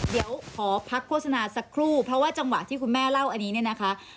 เดี๋ยวขอพักโฆษณาสักครู่เพราะว่าจังหวะที่คุณแม่เล่าอันนี้เนี่ยนะคะ